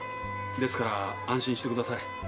ですから安心してください。